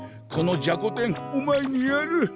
このじゃこ天お前にやる。